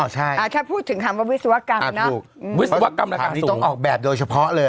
ใช่อ่าถ้าพูดถึงคำว่าวิศวกรรมเนอะอ่าถูกวิศวกรรมราคาสูงต้องออกแบบโดยเฉพาะเลย